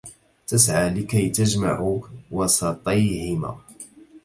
تسعى لكي تجمع وسطيهما